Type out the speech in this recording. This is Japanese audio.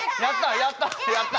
やった！